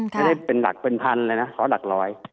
ไม่ได้เป็นพันเลยนะคอร์สหลักร้อย